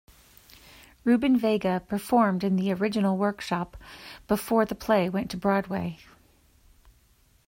Rubin-Vega performed in the original workshop before the play went to Broadway.